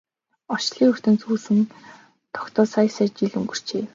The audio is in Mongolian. Орчлон ертөнц үүсэн тогтоод сая сая жил өнгөрчээ.